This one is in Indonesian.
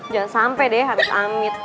jangan sampai deh habis amit